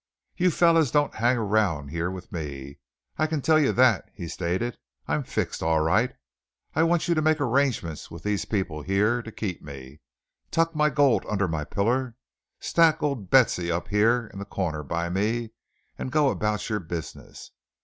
"You fellows don't hang around here with me, I can tell you that," he stated. "I'm fixed all right. I want you to make arrangements with these people yere to keep me; tuck my gold under my piller, stack old Betsey up yere in the corner by me, and go about your business.